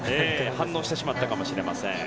反応してしまったかもしれません。